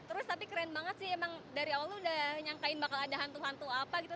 terus tapi keren banget sih emang dari awal udah nyangkain bakal ada hantu hantu apa gitu